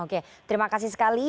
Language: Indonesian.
oke terima kasih sekali